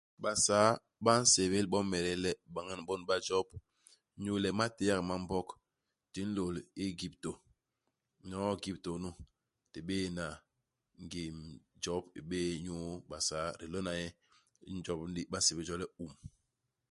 Basaa ba nsébél bomede le ibañan bon ba Job inyu le i matéak ma Mbog, di nlôl i Egyptô. Nyo'o i Egyptô nu, di bé'éna ngim Job i bé'é inyu Basaa. Di lona nye. Ijob li ba nsébél jo le Um.